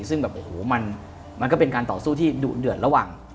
ซึ่งแบบโอ้โหมันก็เป็นการต่อสู้ที่ดุเดือดระหว่าง